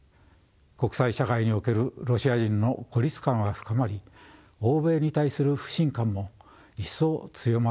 国際社会におけるロシア人の孤立感は深まり欧米に対する不信感も一層強まるように思います。